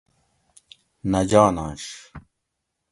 نۤہ جاننش